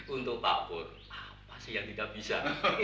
untuk pak pur apa sih yang tidak bisa